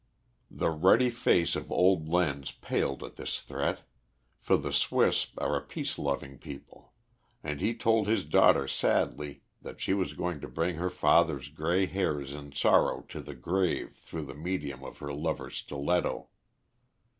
The ruddy face of old Lenz paled at this threat, for the Swiss are a peace loving people, and he told his daughter sadly that she was going to bring her father's grey hairs in sorrow to the grave through the medium of her lover's stiletto.